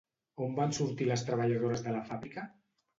On van sortir les treballadores de la fàbrica?